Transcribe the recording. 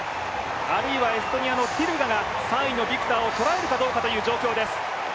あるいはエストニアのティルガが３位のビクターをとらえるかという状況です。